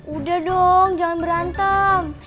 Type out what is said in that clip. udah dong jangan berantem